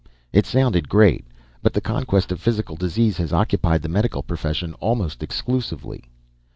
It sounded great but the conquest of physical disease has occupied the medical profession almost exclusively.